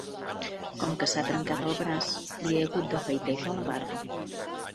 Com que s'ha trencat el braç, li he hagut d'afaitar jo la barba.